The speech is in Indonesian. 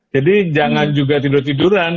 jadi jangan juga tidur tiduran